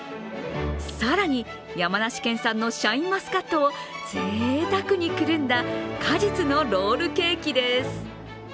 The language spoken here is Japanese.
更に、山梨県産のシャインマスカットをぜいたくにくるんだ果実のロールケーキです。